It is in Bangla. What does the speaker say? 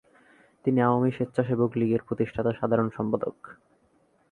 তিনি আওয়ামী স্বেচ্ছাসেবক লীগের প্রতিষ্ঠাতা সাধারণ সম্পাদক।